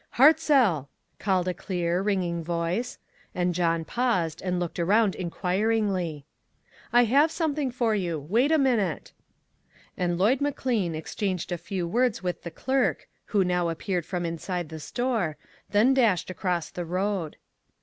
" Hartzell !" called a clear, ringing voice, and John paused, and looked around in quiringly. " I have something for you ; wait a minute." And Lloyd McLean exchanged a few words with the clerk, who now appeared from inside the store, then dashed across the road.